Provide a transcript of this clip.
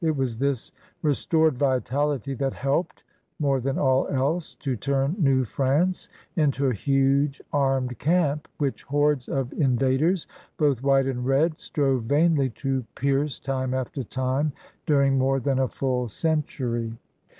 It was this restored vitality that helped, more than all else, to turn New France into a huge armed camp which hordes of invaders, both white and red, strove vainly to pierce time after time during more than a full centiuy.